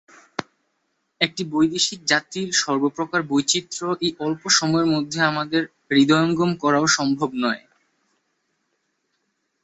একটি বৈদেশিক জাতির সর্বপ্রকার বৈচিত্র্য এই অল্প সময়ের মধ্যে আপনাদের হৃদয়ঙ্গম করাও সম্ভব নয়।